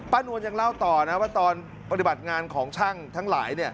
นวลยังเล่าต่อนะว่าตอนปฏิบัติงานของช่างทั้งหลาย